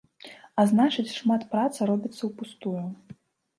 А значыць, шмат праца робіцца ўпустую.